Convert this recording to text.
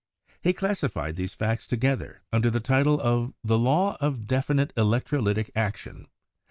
He classified those facts to gether under the title of "The Law of definite Electro lytic Action."